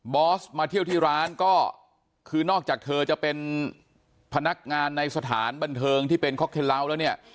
อสมาเที่ยวที่ร้านก็คือนอกจากเธอจะเป็นพนักงานในสถานบันเทิงที่เป็นคอกเทนลาวแล้วเนี่ย